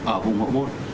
ở vùng hộ môn